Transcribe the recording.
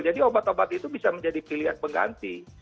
jadi obat obat itu bisa menjadi pilihan pengganti